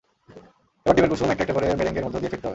এবার ডিমের কুসুম একটা একটা করে মেরেঙ্গের মধ্যে দিয়ে ফেটতে হবে।